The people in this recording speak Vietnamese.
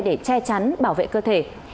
để che chắn bảo vệ cơ thể